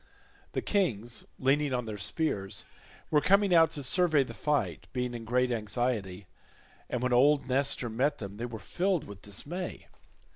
The kings, leaning on their spears, were coming out to survey the fight, being in great anxiety, and when old Nestor met them they were filled with dismay.